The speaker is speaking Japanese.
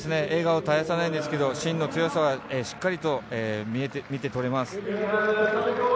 笑顔は絶やさないんですけど芯の強さはしっかりと見て取れます。